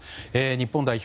日本代表